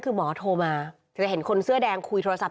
คือตอนที่แม่ไปโรงพักที่นั่งอยู่ที่สพ